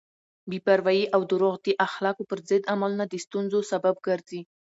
بې پروایی او دروغ د اخلاقو پر ضد عملونه د ستونزو سبب ګرځي.